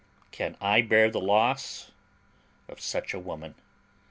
Can I bear the loss of such a woman?